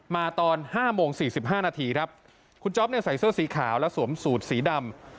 มาตอนห้าโมงสี่สิบห้านาทีครับคุณจ๊อปเนี่ยใส่เสื้อสีขาวและสวมสูดสีดำ